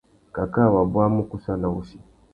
Cacā wabú i má kussāna wussi.